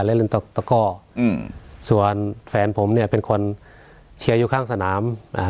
เล่นเล่นตะก้ออืมส่วนแฟนผมเนี้ยเป็นคนเชียร์อยู่ข้างสนามอ่า